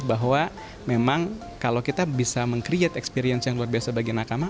bahwa memang kalau kita bisa meng create experience yang luar biasa bagi nakama